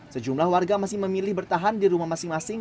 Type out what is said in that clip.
sejumlah warga masih memilih bertahan di rumah masing masing